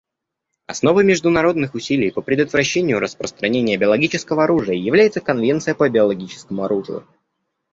Основой международных усилий по предотвращению распространения биологического оружия является Конвенция по биологическому оружию.